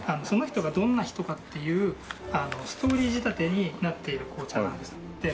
その人がどんな人かっていうあのストーリー仕立てになっている紅茶なんです。